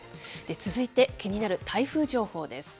続いて、気になる台風情報です。